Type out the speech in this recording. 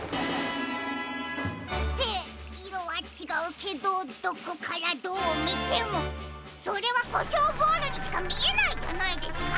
っていろはちがうけどどこからどうみてもそれはコショウボールにしかみえないじゃないですか！